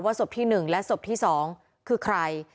ศพที่๑และศพที่๒คือใคร